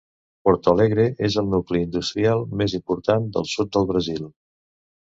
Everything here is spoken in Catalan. Porto Alegre és el nucli industrial més important del sud del Brasil.